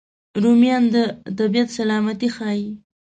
رومیان د طبیعت سلامتي ښيي